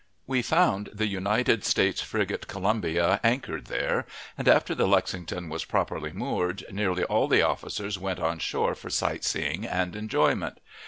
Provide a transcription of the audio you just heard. We found the United Staten frigate Columbia anchored there, and after the Lexington was properly moored, nearly all the officers went on shore for sight seeing and enjoyment.